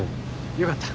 よかった。